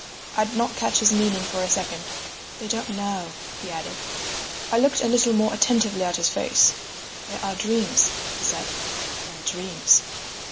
I did not catch his meaning for a second. "They don't know," he added. I looked a little more attentively at his face. "There are dreams," he said, "and dreams."